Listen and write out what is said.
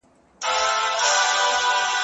سوال کول د عزت سپکاوی دی.